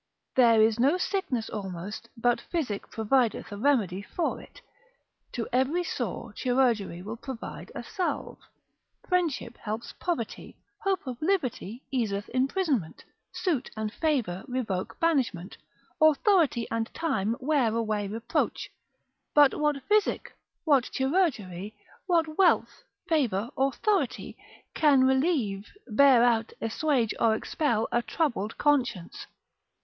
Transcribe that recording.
There is no sickness almost but physic provideth a remedy for it; to every sore chirurgery will provide a slave; friendship helps poverty; hope of liberty easeth imprisonment; suit and favour revoke banishment; authority and time wear away reproach: but what physic, what chirurgery, what wealth, favour, authority can relieve, bear out, assuage, or expel a troubled conscience?